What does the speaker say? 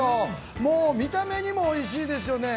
もう見た目にもおいしいですよね。